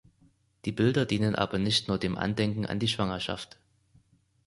Die Bilder dienen aber nicht nur dem Andenken an die Schwangerschaft.